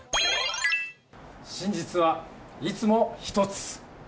真実はいつも１つ！